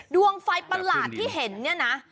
ดวงไฟประหลาดที่เห็นเนี่ยนะ